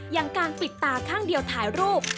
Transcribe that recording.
อย่างการปิดตาข้างเดียวถ่ายรูป